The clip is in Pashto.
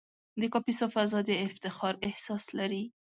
د کاپیسا فضا د افتخار احساس لري.